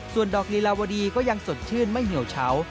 ส่วนดอกลีลาวดีก็ยังสดชื่นไม่เหี่ยวเฉา